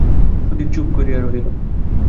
সুধীর চুপ করিয়া রহিল।